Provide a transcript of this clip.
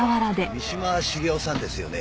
三島茂夫さんですよね？